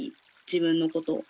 自分のことを。